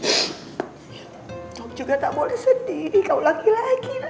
kau juga tak boleh sedih kau laki laki